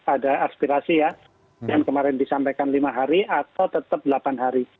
ada aspirasi ya yang kemarin disampaikan lima hari atau tetap delapan hari